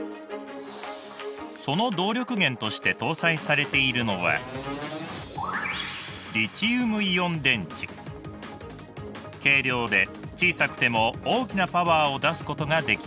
その動力源として搭載されているのは軽量で小さくても大きなパワーを出すことができます。